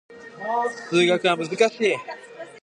数学は難しい